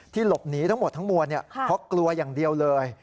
หลบหนีทั้งหมดทั้งมวลเพราะกลัวอย่างเดียวเลย